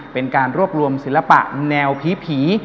เป็นการรวบรวมศิลปะแนวผี